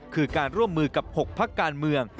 คือการร่วมมือกับ๖พักการเมือง